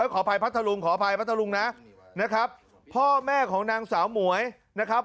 ขออภัยพัทธรุงขออภัยพัทธรุงนะนะครับพ่อแม่ของนางสาวหมวยนะครับ